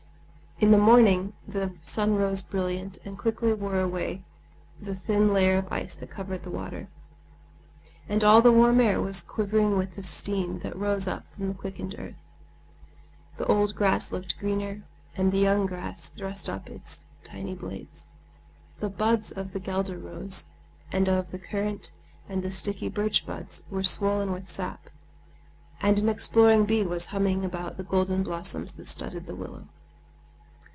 In the morning the sun rose brilliant and quickly wore away the thin layer of ice that covered the water, and all the warm air was quivering with the steam that rose up from the quickened earth. The old grass looked greener, and the young grass thrust up its tiny blades; the buds of the guelder rose and of the currant and the sticky birch buds were swollen with sap, and an exploring bee was humming about the golden blossoms that studded the willow.